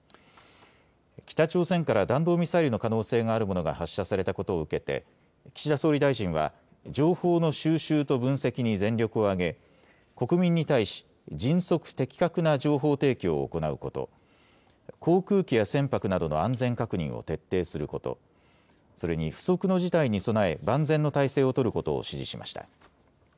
北朝鮮から弾道ミサイルの可能性があるものが発射されたことを受けて岸田総理大臣は情報の収集と分析に全力を挙げ国民に対し迅速・的確な情報提供を行うこと、航空機や船舶などの安全確認を徹底すること、それに不測の事態に備え万全の態勢を取ることを指示しました。